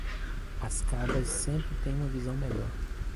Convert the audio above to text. As cabras sempre têm uma visão melhor.